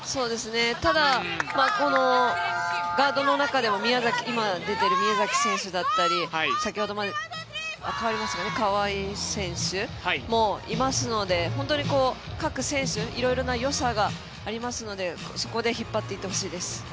ただ、このガードの中でも宮崎選手だったり川井選手もいますので本当に各選手、いろいろなよさがありますのでそこで引っ張っていってほしいです。